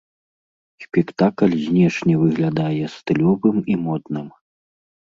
Спектакль знешне выглядае стылёвым і модным.